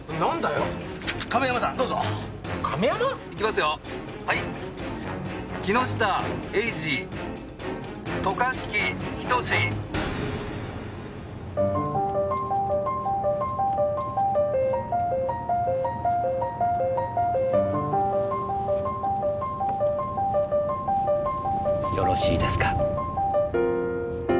よろしいですか？